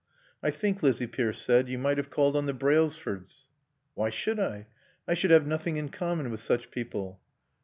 "I think," Lizzie Pierce said, "you might have called on the Brailsfords." "Why should I? I should have nothing in common with such people."